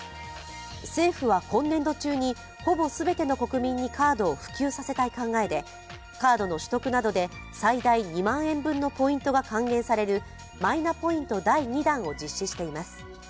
政府は今年度中にほぼ全ての国民にカードを普及させたい考えでカードの取得などで最大２万円分のポイントが還元されるマイナポイント第２弾を実施しています。